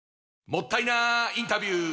もったいなインタビュー！